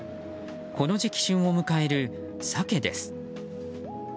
この時期、旬を迎えるサケです。